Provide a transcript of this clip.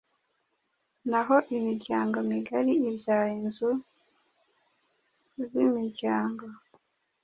naho imiryango migari ibyara inzu z’imiryango.